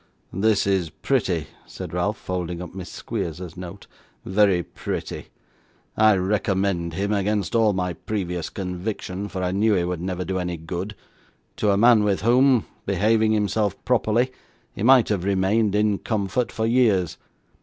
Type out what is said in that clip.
'This is pretty,' said Ralph, folding up Miss Squeers's note; 'very pretty. I recommend him against all my previous conviction, for I knew he would never do any good to a man with whom, behaving himself properly, he might have remained, in comfort, for years.